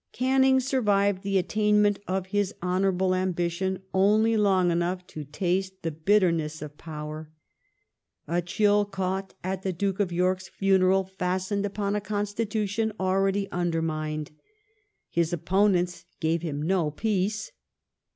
Canning survived the attainment of his honourable ambition Death of only long enough to taste the bitterness of power. A chill caught 9^""^^ ?' at the Duke of York's funeral fastened upon a constitution already 1827 undermined. His opponents gave him no peace.